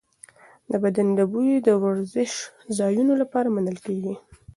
د بدن بوی د ورزشځایونو لپاره منل کېږي.